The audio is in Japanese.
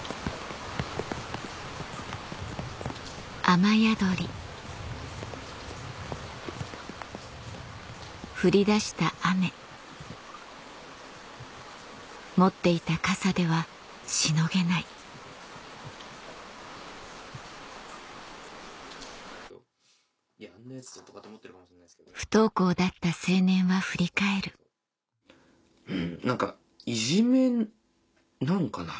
雨やどり降りだした雨持っていた傘ではしのげない不登校だった青年は振り返る何かいじめなんかな？